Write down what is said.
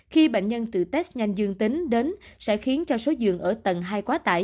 khi bệnh nhân tự test nhanh dương tính đến sẽ khiến cho số giường ở tầng hai quá tải